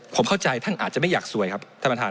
ผมเข้าใจท่านอาจจะไม่อยากสวยครับท่านประธาน